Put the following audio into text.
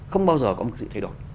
không bao giờ có cái gì thay đổi